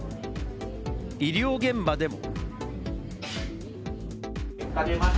医療現場でも。